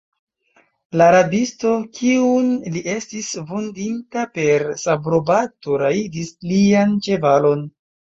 La rabisto, kiun li estis vundinta per sabrobato, rajdis lian ĉevalon.